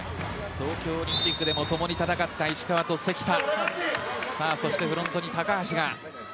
東京オリンピックでも共に戦った石川と関田。